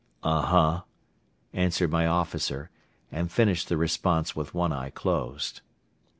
"Uh huh!" answered my officer and finished the response with one eye closed.